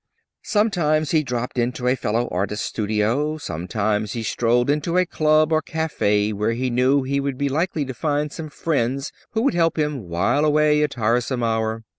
Sometimes he dropped into a fellow artist's studio. Sometimes he strolled into a club or café where he knew he would be likely to find some friend who would help him while away a tiresome hour.